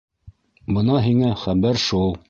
Бына һиңә хәбәр шул.